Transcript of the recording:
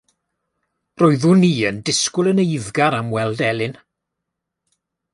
Roeddwn i yn disgwyl yn eiddgar am weld Elin.